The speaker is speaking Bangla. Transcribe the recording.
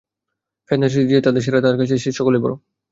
ফেতনা সৃষ্টিতে যে তাদের সেরা, তার কাছে সে-ই সকলের বড়।